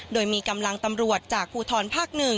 โดยมีกำลังตำรวจจากภูทรภาค๑